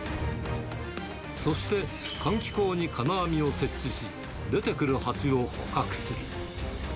そして換気口に金網を設置し、出てくるハチを捕獲する。